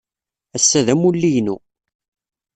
Ass-a d amulli-inu.